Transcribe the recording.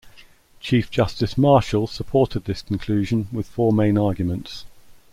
Chief Justice Marshall supported this conclusion with four main arguments.